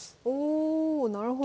おなるほど。